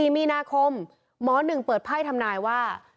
๔๕มีนาคมหมอหนึ่งเปิดไพ่ทำนายว่า